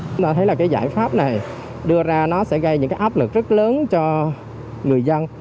chúng ta thấy là cái giải pháp này đưa ra nó sẽ gây những cái áp lực rất lớn cho người dân